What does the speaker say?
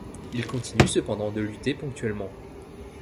Il continue cependant de lutter ponctuellement.